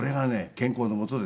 健康のもとですよ。